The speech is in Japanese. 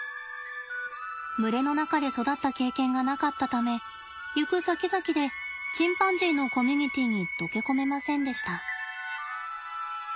群れの中で育った経験がなかったため行くさきざきでチンパンジーのコミュニティーに溶け込めませんでした。